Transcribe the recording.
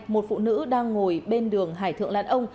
một phụ nữ đang ngồi bên đường hải thượng lãn ông